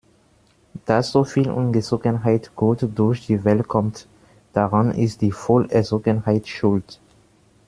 Dass soviel Ungezogenheit gut durch die Welt kommt, daran ist die Wohlerzogenheit schuld.